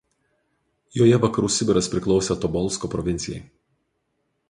Joje Vakarų Sibiras priklausė Tobolsko provincijai.